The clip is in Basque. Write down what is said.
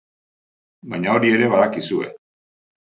Baina hori ere badakizue.